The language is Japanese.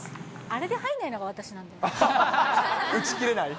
あれで入んないのが私なんだ打ちきれない。